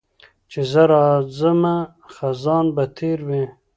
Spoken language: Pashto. چي زه راځمه خزان به تېر وي